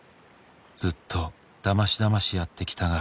「ずっとだましだましやってきたが」